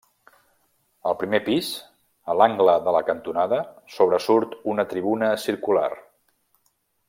Al primer pis, a l'angle de la cantonada, sobresurt una tribuna circular.